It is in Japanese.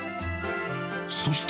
そして。